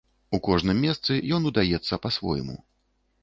У кожным месцы ён удаецца па-свойму.